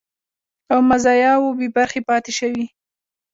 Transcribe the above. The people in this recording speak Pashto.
او مزایاوو بې برخې پاتې شوي